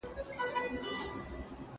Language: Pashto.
کیسه د معلوماتو خزانه ده.